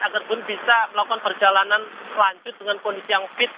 agar pun bisa melakukan perjalanan lanjut dengan kondisi yang fit